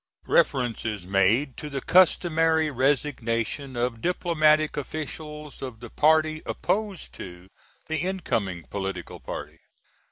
Reference is made to the customary resignation of diplomatic officials of the party opposed to the incoming political party.